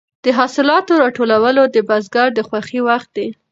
د حاصلاتو راټولول د بزګر د خوښۍ وخت دی.